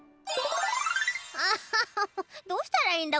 ああどうしたらいいんだ？